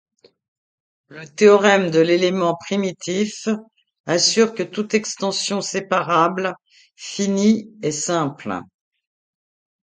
Le théorème de l'élément primitif assure que toute extension séparable finie est simple.